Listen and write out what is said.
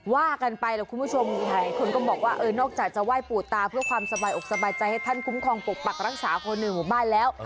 ว่ากันไปแล้วคุณผู้ชมหลายคนก็บอกว่าเออนอกจากจะไหว้ปู่ตาเพื่อความสบายอกสบายใจให้ท่านคุ้มครองปกปักรักษาคนในหมู่บ้านแล้ว